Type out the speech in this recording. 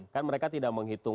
kan mereka tidak menghitung